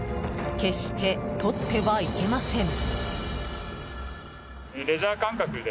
決して、とってはいけません。